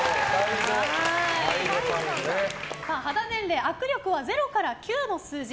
肌年齢、握力は０から９の数字